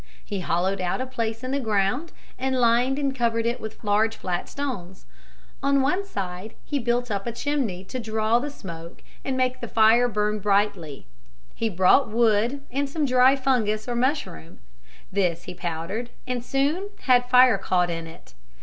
He hollowed out a place in the ground and lined and covered it with large flat stones. On one side he built up a chimney to draw up the smoke and make the fire burn brightly. He brought wood and some dry fungus or mushroom. This he powdered and soon had fire caught in it.